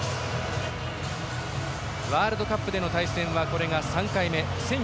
ワールドカップでの対戦はこれが３回目。